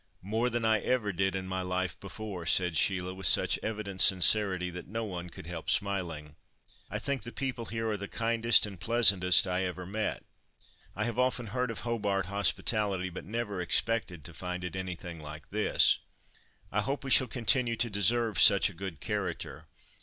"More than I ever did in my life before," said Sheila, with such evident sincerity, that no one could help smiling. "I think the people here are the kindest and pleasantest I ever met. I have often heard of Hobart hospitality, but never expected to find it anything like this." "I hope we shall continue to deserve such a good character.